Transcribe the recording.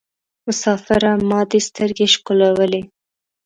مسافره ما دي سترګي شکولولې